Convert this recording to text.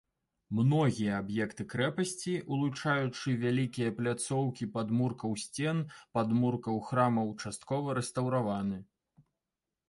Многія аб'екты крэпасці, улучаючы вялікія пляцоўкі падмуркаў сцен, падмуркаў храмаў часткова рэстаўраваны.